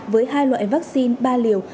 với hai loại vaccine ba liều